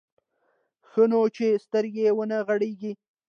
ښه نو چې سترګې ونه غړېږي.